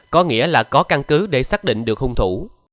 có nghĩa là có căn cứ để xác định được hung thủ